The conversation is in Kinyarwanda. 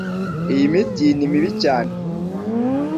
Iyi miti ni mbi cyane.